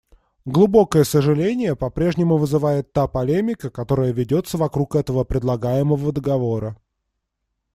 Глубокое сожаление по-прежнему вызывает та полемика, которая ведется вокруг этого предлагаемого договора.